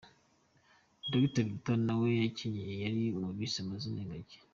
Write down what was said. Dr Biruta nawe wakenyeye yari mu bise amazina ingagi.